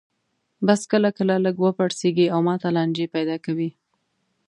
بکس کله کله لږ وپړسېږي او ماته لانجې پیدا کوي.